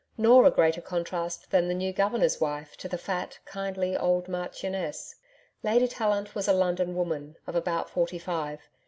Nor a greater contrast than the new Governor's wife to the fat, kindly, old marchioness. Lady Tallant was a London woman, of about forty five.